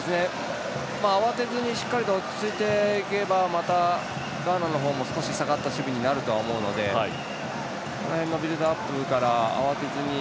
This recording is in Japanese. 慌てずにしっかりと落ち着いていけばまたガーナの方も下がった守備になると思うのでこの辺のビルドアップから慌てずに